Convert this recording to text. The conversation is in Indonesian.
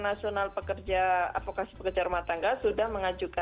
nah ini harus naik